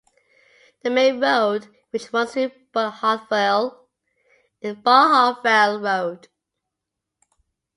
The main road which runs through Barnhartvale is Barnhartvale Road.